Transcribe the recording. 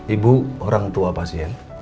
ibu orang tua pasien